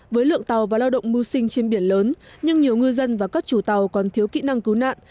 với lượng tàu và lao động mưu sinh trên biển lớn nhưng nhiều ngư dân và các chủ tàu còn thiếu kỹ năng cứu nạn